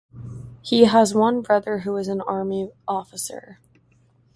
He has one brother who is an army officer.